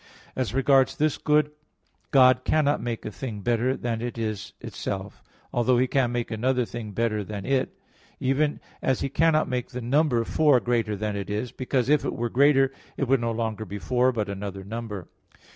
As regards this good, God cannot make a thing better than it is itself; although He can make another thing better than it; even as He cannot make the number four greater than it is; because if it were greater it would no longer be four, but another number.